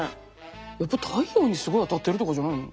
やっぱ太陽にすごい当たってるとかじゃないの？